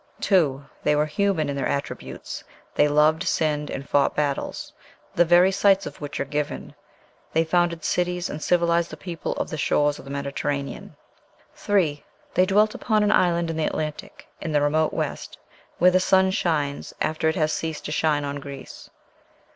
2. They were human in their attributes; they loved, sinned, and fought battles, the very sites of which are given; they founded cities, and civilized the people of the shores of the Mediterranean. 3. They dwelt upon an island in the Atlantic," in the remote west.... where the sun shines after it has ceased to shine on Greece."